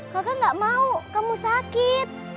kakak gak mau kamu sakit